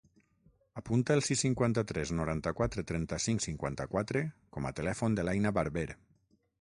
Apunta el sis, cinquanta-tres, noranta-quatre, trenta-cinc, cinquanta-quatre com a telèfon de l'Aina Barber.